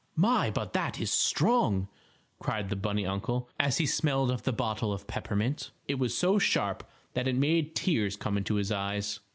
"My! But that is strong!" cried the bunny uncle, as he smelled of the bottle of peppermint. It was so sharp that it made tears come into his eyes.